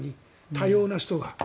多様な人が。